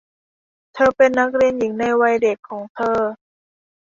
เธอเป็นนักเรียนหญิงในวัยเด็กของเธอ